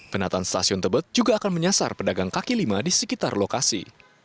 penataan stasiun tebet juga akan menyasar pedagang kaki lima di sekitar lokasi